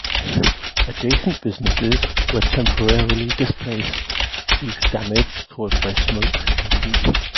Adjacent businesses were temporarily displaced due to damage caused by smoke and heat.